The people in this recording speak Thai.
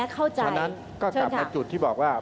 เพราะฉะนั้นก็กลับมาจุดที่บอกว่า